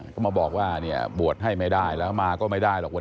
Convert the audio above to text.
ก็มาบอกว่าเนี่ยบวชให้ไม่ได้แล้วมาก็ไม่ได้หรอกวัน